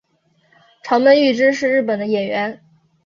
长门裕之是日本的演员。